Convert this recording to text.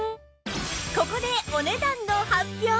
ここでお値段の発表！